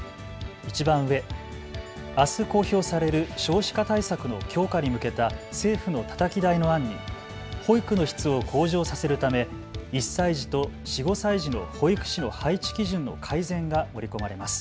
いちばん上、あす公表される少子化対策の強化に向けた政府のたたき台の案に保育の質を向上させるため１歳児と４、５歳児の保育士の配置基準の改善が盛り込まれます。